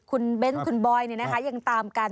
คุณเบนท์คุณบอยนี่นะคะยังตามกัน